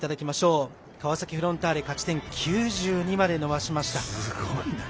川崎フロンターレは勝ち点９２まで伸ばしました。